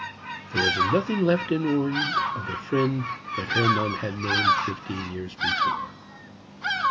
There was nothing left in Warren of the friend that Hermann had known fifteen years before.